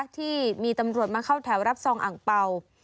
ที่มีตำรวจมาเข้าแถวรับซองอ่างเป่า